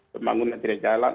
pembangunan tiri jalan